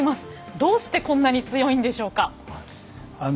どうしてこんなに強いんでしょうか？